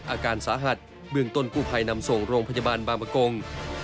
อาการสาหัสเบื้องต้นกู้ภัยนำส่งโรงพยาบาลบางประกง